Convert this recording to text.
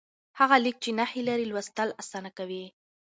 هغه لیک چې نښې لري، لوستل اسانه کوي.